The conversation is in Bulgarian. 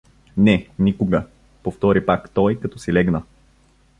— Не, никога! — повтори пак той, като си легна.